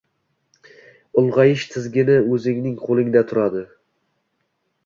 ulg’ayish tizgini o’zingning qo’lingda turadi.